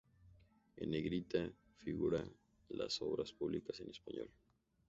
En negrita figuran las obras publicadas en español.